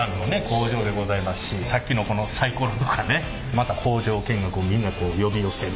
工場でございますしさっきのこのサイコロとかねまた工場見学をみんな呼び寄せるみたいなね。